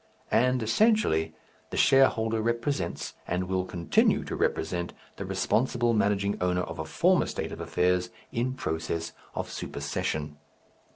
And essentially the shareholder represents and will continue to represent the responsible managing owner of a former state of affairs in process of supersession.